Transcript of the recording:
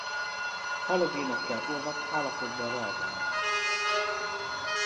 Halogénekkel olvadt állapotban reagálnak.